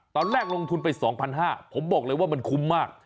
ลงทุนไป๒๕๐๐บาทผมบอกเลยว่ามันคุ้มมาก